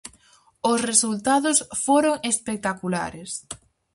Os resultados foron espectaculares.